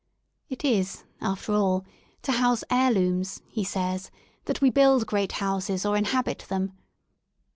It is, after all, to house heir looms, he says, that we build great houses or inhabit them.